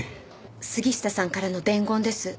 杉下さんからの伝言です。